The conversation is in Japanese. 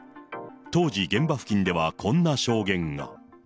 当時、現場付近ではこんな証言が。